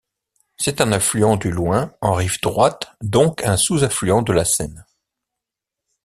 C'est un affluent du Loing en rive droite, donc un sous-affluent de la Seine.